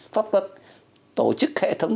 pháp luật tổ chức hệ thống